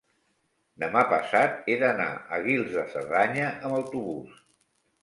demà passat he d'anar a Guils de Cerdanya amb autobús.